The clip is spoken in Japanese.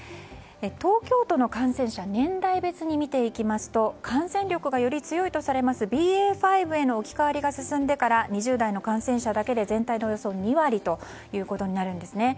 東京都の感染者を年代別に見ていきますと感染力がより強いとされますＢＡ．５への置き換わりが進んでから２０代の感染者だけで全体のおよそ２割となるんですね。